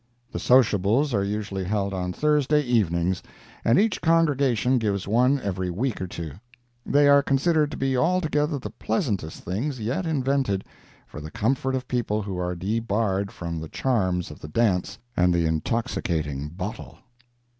The sociables are usually held on Thursday evenings, and each congregation gives one every week or two. They are considered to be altogether the pleasantest things yet invented for the comfort of people who are debarred from the charms of the dance and the intoxicating bottle.